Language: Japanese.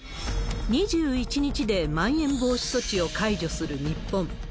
２１日でまん延防止措置を解除する日本。